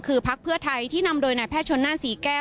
คือพักเพื่อไทยที่นำโดยนายแพทย์ชนหน้าศรีแก้ว